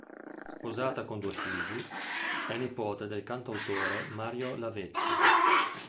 Sposata con due figli, è nipote del cantautore Mario Lavezzi.